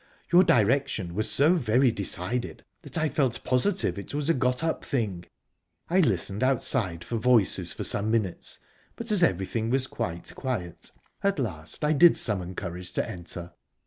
Your direction was so very decided that I felt positive it was a got up thing. I listened outside for voices for some minutes, but, as everything was quite quiet, at last I did summon courage to enter.